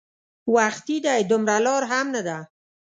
وختي دی دومره لار هم نه ده.